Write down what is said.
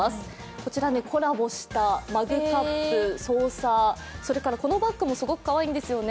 こちらコラボしたマグカップ、ソーサー、それからこのバッグもすごくかわいいんですよね。